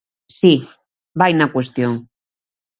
Si, vai na cuestión.